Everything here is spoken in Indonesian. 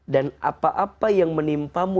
dan apa apa yang menimpamu